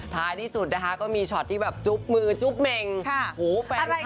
ภายที่สุดนะคะก็มีชอตที่แบบจุบมือจุบเม็งโหเฟนคลับเนี่ย